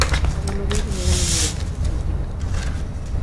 Además de enseñar en la Universidad de las Filipinas.